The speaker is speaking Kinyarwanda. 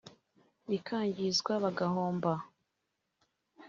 bikangizwa bagahomba